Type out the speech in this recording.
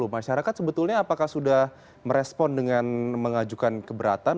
masyarakat sebetulnya apakah sudah merespon dengan mengajukan keberatan